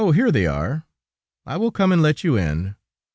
Here they are; I will come and let you in."